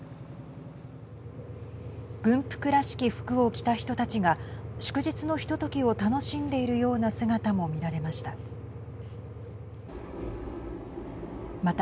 軍服らしき服を着た人たちが祝日のひとときを楽しんでいるような姿も見られました。